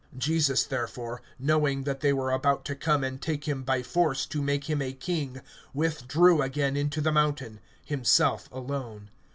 (15)Jesus therefore, knowing that they were about to come and take him by force, to make him a king, withdrew again into the mountain, himself alone.